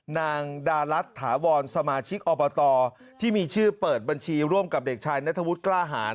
นางดารัฐถาวรสมาชิกอบตที่มีชื่อเปิดบัญชีร่วมกับเด็กชายนัทวุฒิกล้าหาร